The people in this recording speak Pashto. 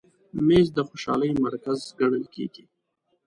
مېز د خوشحالۍ مرکز ګڼل کېږي.